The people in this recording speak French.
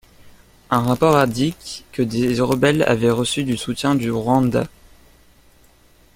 Un rapport indique que des rebelles avaient reçu du soutien du Rwanda.